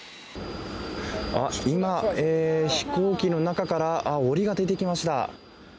今、飛行機の中から檻が出てきました。